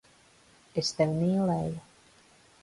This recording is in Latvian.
Es tevi mīlēju.